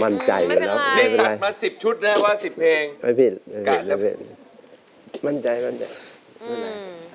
เพลงนี้อยู่ในอาราบัมชุดแรกของคุณแจ็คเลยนะครับ